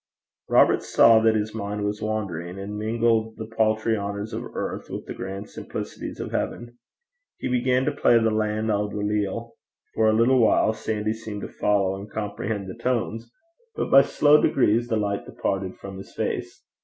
Robert saw that his mind was wandering, and mingled the paltry honours of earth with the grand simplicities of heaven. He began to play The Land o' the Leal. For a little while Sandy seemed to follow and comprehend the tones, but by slow degrees the light departed from his face.